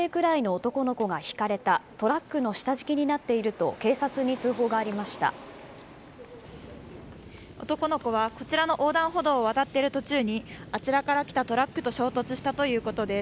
男の子はこちらの横断歩道を渡っている途中にあちらから来たトラックと衝突したということです。